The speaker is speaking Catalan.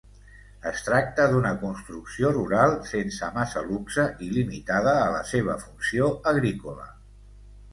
Es tracta d'una construcció rural, sense massa luxe i limitada a la seva funció agrícola.